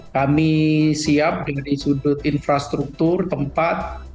kami siap dengan sudut infrastruktur tempat